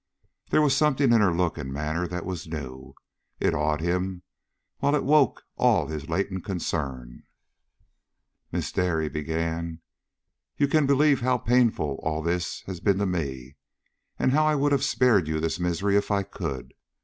There was something in her look and manner that was new. It awed him, while it woke all his latent concern. "Miss Dare," he began, "you can believe how painful all this has been to me, and how I would have spared you this misery if I could.